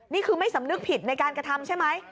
นี่คือไม่สำนึกผิดในการกระทำใช่ไหม